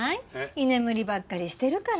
居眠りばっかりしてるから。